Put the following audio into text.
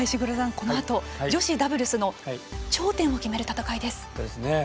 このあと女子ダブルスの頂点を決める戦いです。